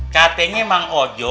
katanya emang ojo